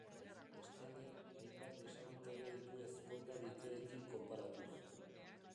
Bestalde, hainbat desabantaila ditu ezponda-dikeekin konparatuz.